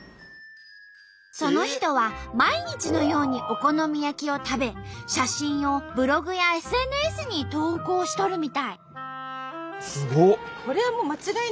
その人は毎日のようにお好み焼きを食べ写真をブログやＳＮＳに投稿しとるみたい。